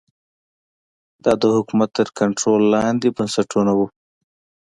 دا د حکومت تر کنټرول لاندې بنسټونه وو